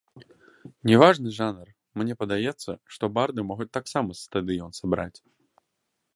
Не важны жанр, мне падаецца, што барды могуць таксама стадыён сабраць.